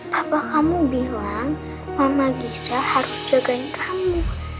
tanpa kamu bilang mama gisa harus jagain kamu